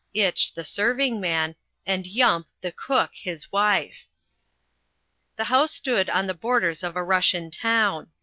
Itch, the serving man, and Yump, the cook, his wife. The house stood on the borders of a Russian town.